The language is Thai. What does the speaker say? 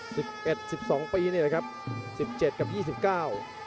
สิบเอ็ดสิบสองปีนี่แหละครับสิบเจ็ดกับยี่สิบเก้า